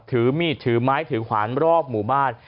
ถือมีดถือไม้ถือขวานรอบหมู่บ้าน